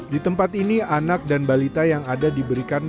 di tempat ini anak dan balita yang ada diberikan